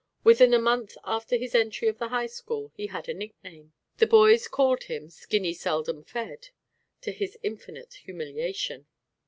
Within a month after his entry of the High School he had a nickname. The boys called him "Skinny seldom fed," to his infinite humiliation.